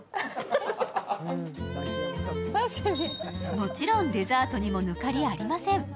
もちろんデザートにも抜かりありません。